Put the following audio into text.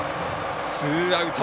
ツーアウト。